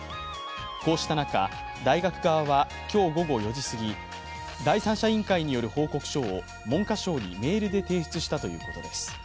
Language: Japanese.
こうした中、大学側は今日午後４時すぎ、第三者委員会による報告書を文科省にメールで提出したということです。